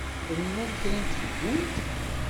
Trennuḍ kra n tfeggunt?